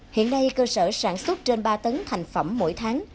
hiện nay cơ sở sản xuất trên ba tấn thành phẩm mỗi tháng